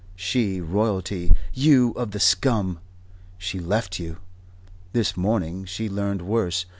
She, royalty you of the scum! She left you. This morning she learned worse.